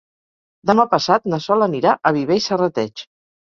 Demà passat na Sol anirà a Viver i Serrateix.